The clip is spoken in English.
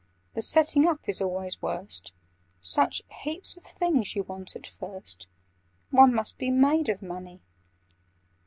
The setting up is always worst: Such heaps of things you want at first, One must be made of money!